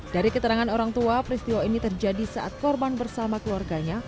dari keterangan orang tua peristiwa ini terjadi saat korban bersama keluarganya